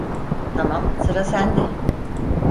Tamam, sıra sende.